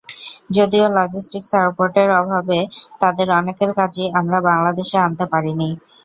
যদিও লজিস্টিক সাপোর্টের অভাবে তাঁদের অনেকের কাজই আমরা বাংলাদেশে আনতে পারিনি।